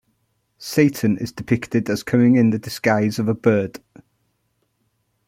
Satan is depicted as coming in the disguise of a bird.